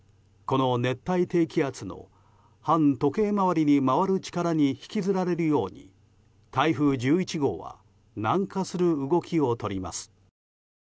この熱帯低気圧の反時計回りに回る力に引きずられるように台風１１号は南下する動きを取ります。